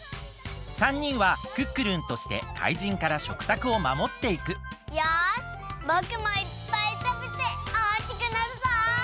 ３にんはクックルンとして怪人から食卓をまもっていくよしぼくもいっぱいたべておおきくなるぞ！